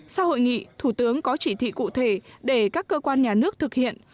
sau hội nghị thủ tướng có chỉ thị cụ thể để các cơ quan nhà nước thực hiện